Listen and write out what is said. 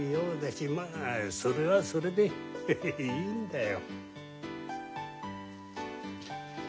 あそれはそれでヘヘヘいいんだよ。